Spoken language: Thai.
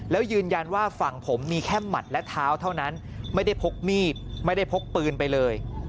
แล้วยืนยันว่าฝั่งผมมีแค่หมัดและเท้าเท่านั้นไม่ได้พกมีดไม่ได้พกปืนไปเลย